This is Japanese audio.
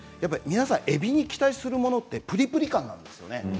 皆さん、えびに期待するものってプリプリ感なんですよね。